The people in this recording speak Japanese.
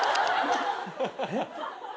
えっ？